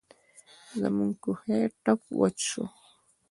زموږ کوهۍ ټپ وچ شو.